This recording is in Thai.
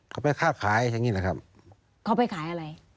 เขาไปค่าขายอย่างนี้แหละครับเขาไปขายอะไร